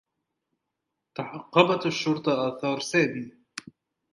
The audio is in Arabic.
تعقّبت الشّرطة آثار سامي.